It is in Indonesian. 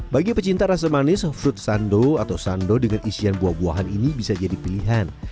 bagi pecinta rasa manis fruit sando atau sando dengan isian buah buahan ini bisa jadi pilihan